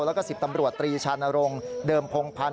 แล้วก็๑๐ตำรวจตรีชานรงค์เดิมพงพันธ